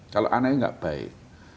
kalau anaknya gak baik